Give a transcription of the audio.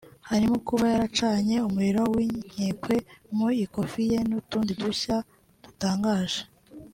harimo kuba yaracanye umurimo w’inkekwe mu ikofi ye n’utundi dushya dutangaje